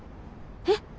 えっ？